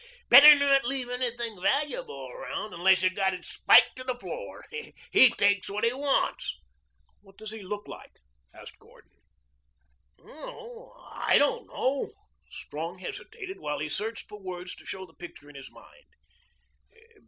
Better not leave anything valuable around unless you've got it spiked to the floor. He takes what he wants." "What does he look like?" asked Gordon. "Oh, I don't know." Strong hesitated, while he searched for words to show the picture in his mind.